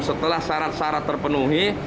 setelah syarat syarat terpenuhi